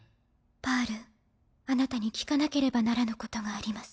パールあなたに聞かなければならぬことがあります。